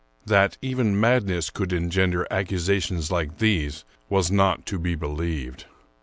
That even madness could engender accu sations like these was not to be believed.